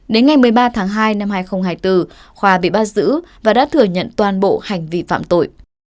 đến ngày một mươi ba tháng hai năm hai nghìn hai mươi bốn khoa bị bắt giữ và đã thừa nhận toàn bộ hành vi phạm tội